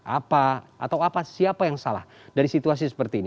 apa atau apa siapa yang salah dari situasi seperti ini